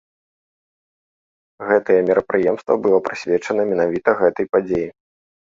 Гэтае мерапрыемства было прысвечана менавіта гэтай падзеі.